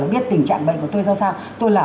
biết tình trạng bệnh của tôi ra sao tôi là